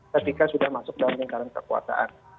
ketika sudah masuk dalam lingkaran kekuasaan